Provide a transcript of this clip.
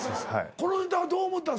このネタはどう思ったん？